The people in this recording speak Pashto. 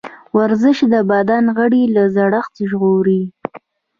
ورزش د بدن غړي له زړښت ژغوري.